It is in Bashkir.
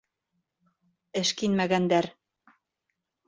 Эшкинмәгәндәр!